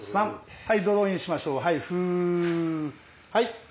はい。